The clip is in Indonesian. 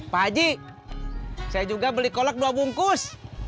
pak aji saya juga beli kolek dua bungkus